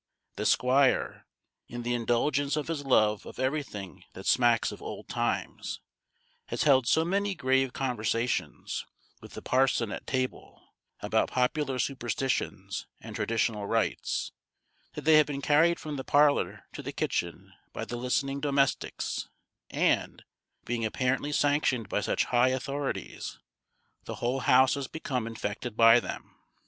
The squire, in the indulgence of his love of everything that smacks of old times, has held so many grave conversations with the parson at table, about popular superstitions and traditional rites, that they have been carried from the parlour to the kitchen by the listening domestics, and, being apparently sanctioned by such high authorities, the whole house has become infected by them.